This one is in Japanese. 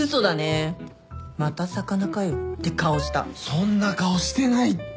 そんな顔してないって。